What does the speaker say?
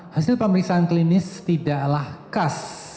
hasil pemeriksaan klinis tidaklah khas